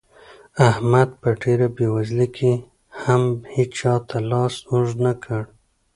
احمد په ډېره بېوزلۍ کې هم هيچا ته لاس اوږد نه کړ.